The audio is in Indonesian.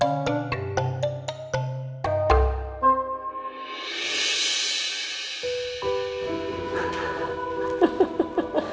hih hih hih